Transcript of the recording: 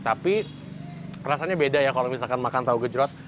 tapi rasanya beda ya kalau misalkan makan tahu gejrot